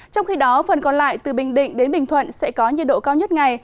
trong khi đó phần còn lại từ bình định đến bình thuận sẽ có nhiệt độ cao nhất ngày